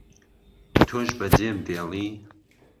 تۆش بەجێم دێڵی